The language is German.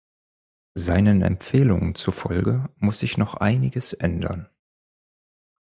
Seinen Empfehlungen zufolge muss sich noch einiges ändern.